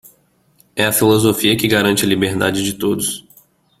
É a filosofia que garante a liberdade de todos.